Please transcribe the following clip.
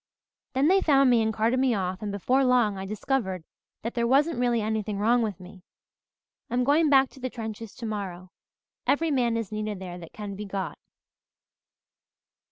Then they found me and carted me off and before long I discovered that there wasn't really anything wrong with me. I'm going back to the trenches tomorrow. Every man is needed there that can be got."